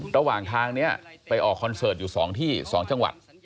ระหว่างทางนี้ไปออกคอนเสิร์ตอยู่๒ที่๒จังหวัด